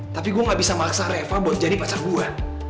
tapi gue gak bisa maksa reva buat jadi pasar gue